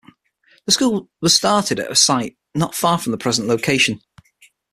The school was started at a site not far from the present location.